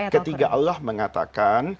ketiga allah mengatakan